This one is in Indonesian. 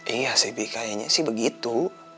iya sih bi kayaknya sih begitu